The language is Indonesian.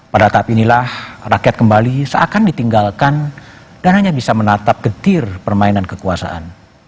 pada tahap inilah rakyat kembali seakan ditinggalkan dan hanya bisa menatap getir permainan kekuasaan